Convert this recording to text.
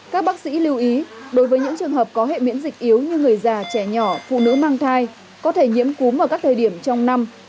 các bác sĩ lưu ý đối với những trường hợp có hệ miễn dịch yếu như người già trẻ nhỏ phụ nữ mang thai có thể nhiễm cúm vào các thời điểm trong năm